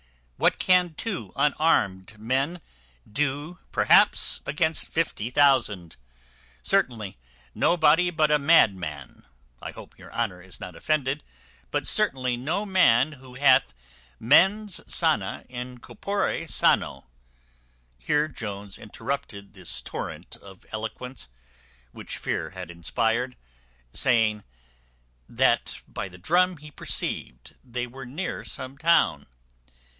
What can two unarmed men do perhaps against fifty thousand? Certainly nobody but a madman; I hope your honour is not offended; but certainly no man who hath mens sana in corpore sano " Here Jones interrupted this torrent of eloquence, which fear had inspired, saying, "That by the drum he perceived they were near some town."